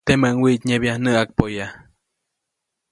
Temäʼuŋ wiʼtnyebya näʼakpoya.